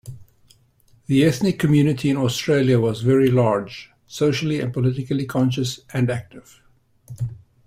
The ethnic community in Australia was very large, socially and politically conscious and active.